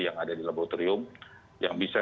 yang ada di laboratorium yang bisa